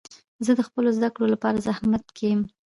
زه د خپلو زده کړو لپاره زحمت کښ یم.